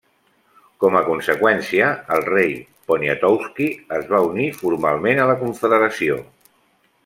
Com a conseqüència, el rei, Poniatowski, es va unir formalment a la confederació.